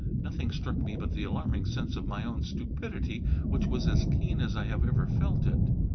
Nothing struck me but the alarming sense of my own stupidity, which was as keen as I have ever felt it.